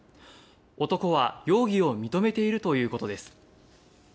男は容疑を認めているということです。